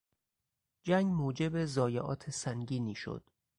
جنگ موجب ضایعات سنگینی شد.